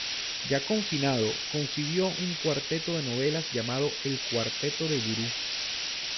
Ya confinado, concibió un cuarteto de novelas llamado "El cuarteto de Buru".